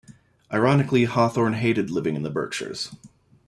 Ironically, Hawthorne hated living in the Berkshires.